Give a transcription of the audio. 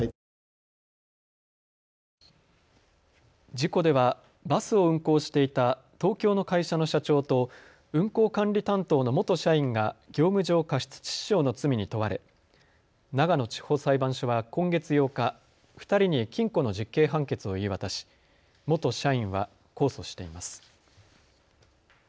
事故ではバスを運行していた東京の会社の社長と運行管理担当の元社員が業務上過失致死傷の罪に問われ長野地方裁判所は今月８日、２人に禁錮の実刑判決を言い渡し元社員は控訴しています。